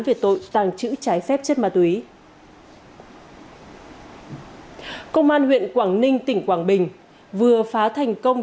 về tội tàng trữ trái phép chất ma túy công an huyện quảng ninh tỉnh quảng bình vừa phá thành công